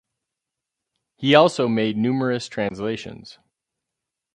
He also made numerous translations.